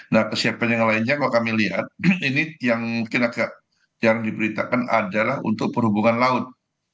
nah kesiapan yang lainnya kalau kami lihat ini yang mungkin agak jarang diberitakan adalah untuk perhubungan laut